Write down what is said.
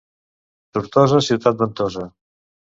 Tortosa, ciutat ventosa.